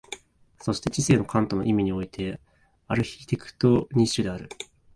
そして知性はカントの意味においてアルヒテクトニッシュである。